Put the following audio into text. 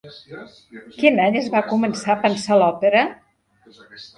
Quin any es va començar a pensar l'òpera?